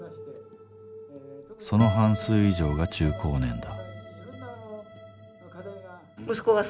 その半数以上が中高年だ。